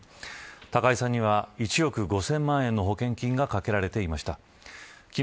高井さんには１億５０００万円の保険金がかけられていました。